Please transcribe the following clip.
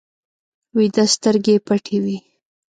ویده سترګې پټې وي